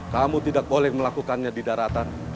kamu tidak boleh melakukannya di daratan